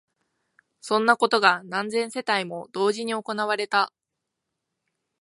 そんなことが何千世帯も同時に行われた